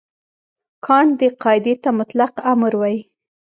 کانټ دې قاعدې ته مطلق امر وايي.